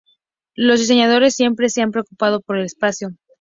Los diseñadores siempre se han preocupado por el espacio.